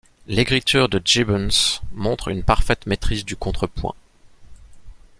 L'écriture de Gibbons montre une parfaite maîtrise du contrepoint.